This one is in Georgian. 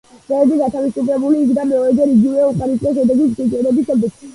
ბერდი გათავისუფლებული იქნა მეორეჯერ იგივე უხარისხო შედეგის ჩვენების შემდეგ.